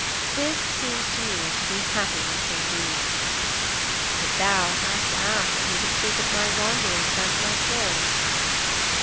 This seems to me to be happiness indeed. But thou hast asked me to speak of my wanderings and my toils.